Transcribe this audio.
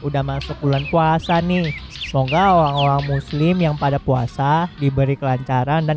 wah udah masuk bulan puasa nih semoga orang orang muslim yang pada puasa diberi kelancaran dan